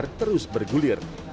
setelah dpr terus bergulir